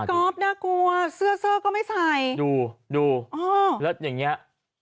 ก๊อฟน่ากลัวเสื้อเสื้อก็ไม่ใส่ดูดูอ๋อแล้วอย่างเงี้ย